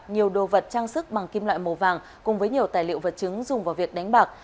nhiều đồ vật trang sức bằng kim loại màu vàng cùng với nhiều tài liệu vật chứng dùng vào việc đánh bạc